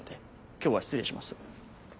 今日は失礼します。